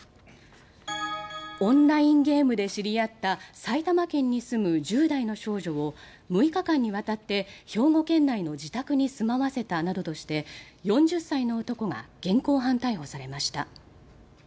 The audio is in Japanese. オンラインゲームで知り合った埼玉県に住む１０代の少女を６日間にわたって兵庫県内の自宅に住まわせたなどとして４０歳の男が現行犯逮捕されました。